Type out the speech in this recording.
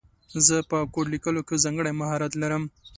زه په کوډ لیکلو کې ځانګړی مهارت لرم